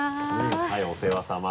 はいお世話さま。